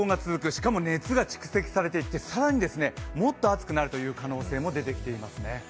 しかも熱が蓄積されていて更にもっと暑くなるという可能性も出てきています。